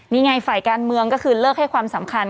นี่ไงฝ่ายการเมืองก็คือเลิกให้ความสำคัญ